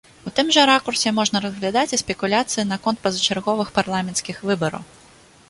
У тым жа ракурсе можна разглядаць і спекуляцыі наконт пазачарговых парламенцкіх выбараў.